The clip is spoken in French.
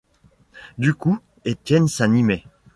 Du coup, Étienne s’animait.